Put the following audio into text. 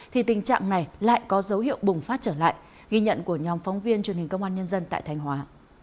thì tình trạng này lại có dấu hiệu bùng phát trở lại ghi nhận của nhóm phóng viên truyền hình công an nhân dân tại thanh hóa